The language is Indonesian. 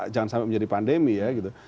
jangan sampai menjadi pandemi ya gitu